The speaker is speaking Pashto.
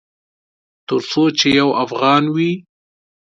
ترڅو چې یو افغان وي